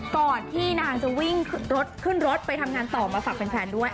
ก่อนที่นางจะวิ่งรถขึ้นรถไปทำงานต่อมาฝากแฟนด้วย